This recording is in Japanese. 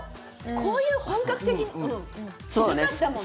こういう本格的になかったもんね。